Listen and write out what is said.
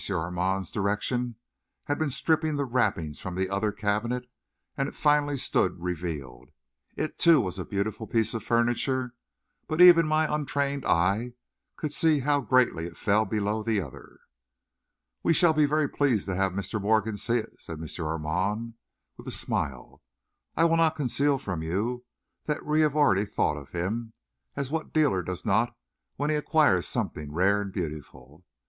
Armand's direction, had been stripping the wrappings from the other cabinet, and it finally stood revealed. It, too, was a beautiful piece of furniture, but even my untrained eye could see how greatly it fell below the other. "We shall be very pleased to have Mr. Morgan see it," said M. Armand, with a smile. "I will not conceal from you that we had already thought of him as what dealer does not when he acquires something rare and beautiful?